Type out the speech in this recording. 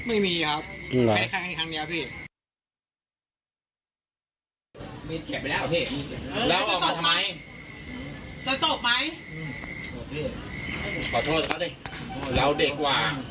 มึงมีครับแต่ให้ครั้งอีกครั้งเดียว